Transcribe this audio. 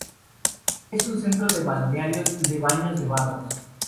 Es un centro de balnearios y de baños de barros.